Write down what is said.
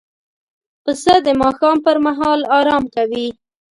پسه د ماښام پر مهال آرام کوي.